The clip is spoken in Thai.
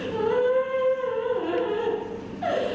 ว่า